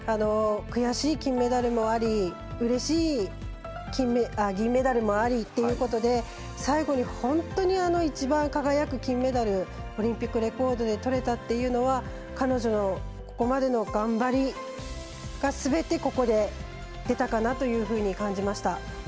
悔しい銀メダルもありうれしい銀メダルもありというところで最後に本当に一番輝く金メダルオリンピックレコードでとれたっていうのは彼女のここまでの頑張りがすべて、ここで出たかなと感じました。